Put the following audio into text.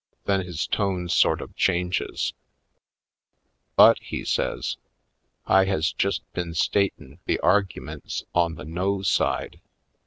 Then his tone sort of changes. "But," he says, "I has jest been statin' the argumints on the No side.